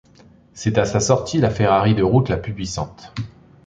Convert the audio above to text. C’est à sa sortie la Ferrari de route la plus puissante.